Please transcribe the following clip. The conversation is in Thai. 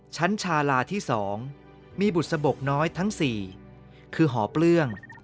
ชาลาที่๒มีบุษบกน้อยทั้ง๔คือหอเปลื้อง